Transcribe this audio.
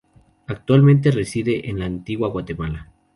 Actualmente reside en la Antigua Guatemala.